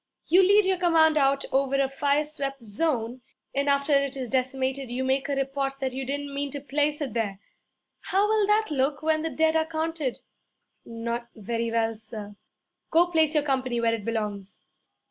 'You lead your command out over a fire swept zone, and after it is decimated, you make a report that you didn't mean to place it there. How will that look when the dead are counted?' 'Not very well, sir.' 'Go place your company where it belongs.'